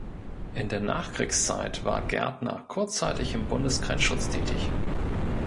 In der Nachkriegszeit war Gaertner kurzzeitig im Bundesgrenzschutz tätig.